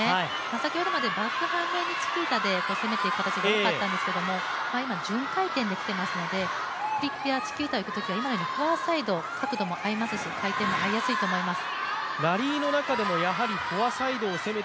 先ほどまでバックハンド気味のチキータで攻めていたんですが、今、順回転できていますので、フリックやチキータにいくときは今のようにフォアサイド、角度も合いますし回転も合いやすいと思います。